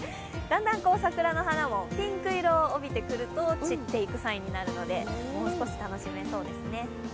だんだん桜の花もピンク色を帯びてくると散っていくサインになるのでもう少し楽しめそうですね。